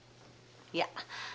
いや。